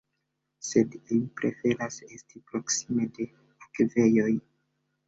Sed ili preferas esti proksime de akvejoj.